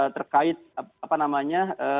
terkait apa namanya